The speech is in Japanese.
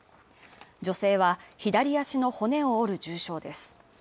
女性は左足の骨を折る重傷です